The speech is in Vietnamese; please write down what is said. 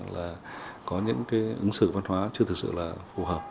là có những cái ứng xử văn hóa chưa thực sự là phù hợp